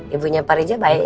ibunya pak rija baik